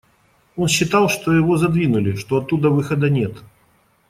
Он считал, что его задвинули, что оттуда выхода нет